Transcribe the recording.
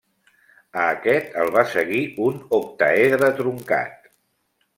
A aquest el va seguir un octaedre truncat.